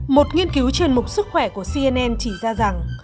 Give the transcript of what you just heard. một nghiên cứu chuyên mục sức khỏe của cnn chỉ ra rằng